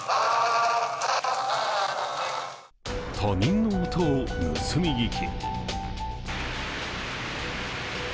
他人の音を盗み聞き